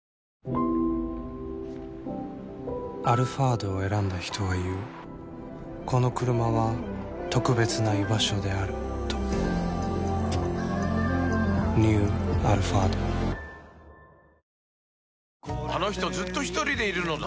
「アルファード」を選んだ人は言うこのクルマは特別な居場所であるとニュー「アルファード」あの人ずっとひとりでいるのだ